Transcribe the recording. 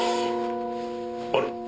あれ？